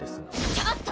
ちょっと！